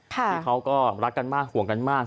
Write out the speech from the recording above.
ที่เขาก็รักกันมากห่วงกันมาก